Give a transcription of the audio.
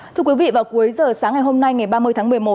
thưa quý vị vào cuối giờ sáng ngày hôm nay ngày ba mươi tháng một mươi một